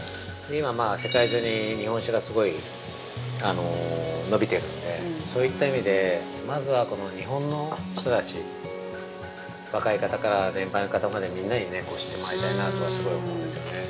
◆今、世界中に日本酒がすごい伸びてるんでそういった意味で、まずは、この日本の人たち若い方から年配の方までみんなに知ってもらいたいなとはすごい思うんですよね。